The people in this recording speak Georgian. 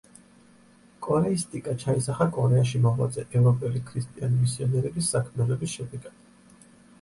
კორეისტიკა ჩაისახა კორეაში მოღვაწე ევროპელი ქრისტიანი მისიონერების საქმიანობის შედეგად.